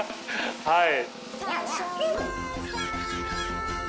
はい。